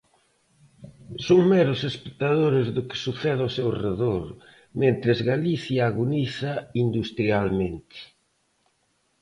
Son meros espectadores do que sucede ao seu redor mentres Galicia agoniza industrialmente.